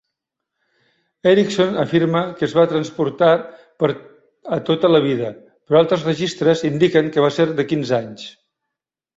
Erickson afirma que es va transportar per a tota la vida, però altres registres indiquen que va ser de quinze anys.